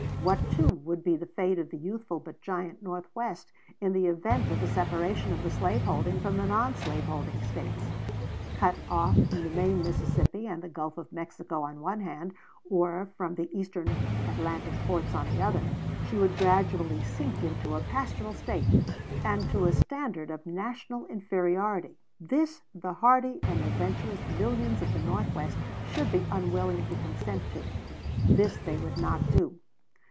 What, too, would be the fate of the youthful but giant Northwest in the event of a separation of the slave holding from the non slave holding States? Cut off from the main Mississippi and the Gulf of Mexico on one hand, or from the eastern Atlantic ports on the other, she would gradually sink into a pastoral state, and to a standard of national inferiority. This the hardy and adventurous millions of the North west would be unwilling to consent to. This they would not do.